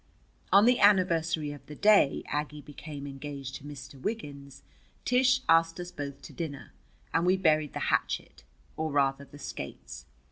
On the anniversary of the day Aggie became engaged to Mr. Wiggins, Tish asked us both to dinner, and we buried the hatchet, or rather the skates.